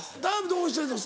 どうしてんの？